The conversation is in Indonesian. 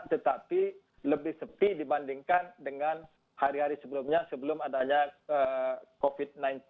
tetapi lebih sepi dibandingkan dengan hari hari sebelumnya sebelum adanya covid sembilan belas